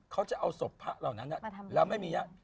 เขาจะเอาศพพระเหล่านั้นแล้วไม่มีญาติ